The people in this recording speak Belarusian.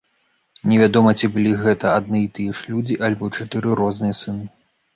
Невядома, ці былі гэта адны і тыя ж людзі, альбо чатыры розныя сыны.